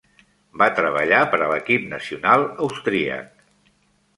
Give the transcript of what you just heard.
Va treballar per a l'equip nacional austríac.